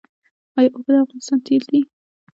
آیا اوبه د افغانستان تیل دي؟